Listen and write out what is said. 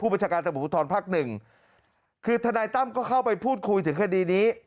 ภูมิประชาการธรรมบุตรฐรพักหนึ่งคือทนายตั้มก็เข้าไปพูดคุยถึงคดีนี้